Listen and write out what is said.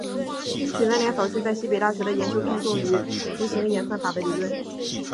许闻廉早期在西北大学的研究偏重于图形演算法的理论。